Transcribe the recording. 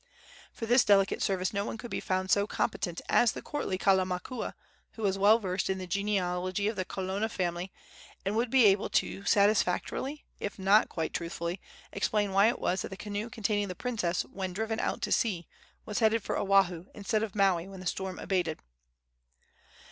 For this delicate service no one could be found so competent as the courtly Kalamakua, who was well versed in the genealogy of the Kalona family, and would be able to satisfactorily, if not quite truthfully, explain why it was that the canoe containing the princess, when driven out to sea, was headed for Oahu instead of Maui when the storm abated.